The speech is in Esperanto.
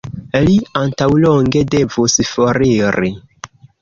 Li antaŭlonge devus foriri.